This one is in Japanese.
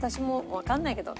わかんないけど。